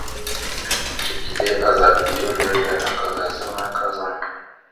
Cikiɗe azaɗ etew lele aka ga zalŋa kazaŋ.